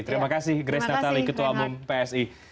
terima kasih grace natali ketua umum psi